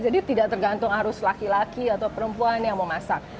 jadi tidak tergantung harus laki laki atau perempuan yang mau masak